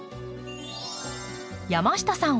山下さん